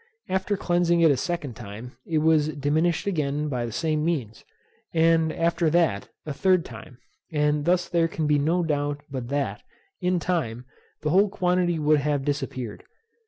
After cleansing it a second time, it was diminished again by the same means; and, after that, a third time; and thus there can be no doubt but that, in time, the whole quantity would have disappeared.